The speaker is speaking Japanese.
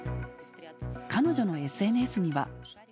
彼女のＳＮＳには。